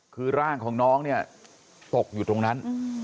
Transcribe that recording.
คือร่างของน้องเนี่ยตกอยู่ตรงนั้น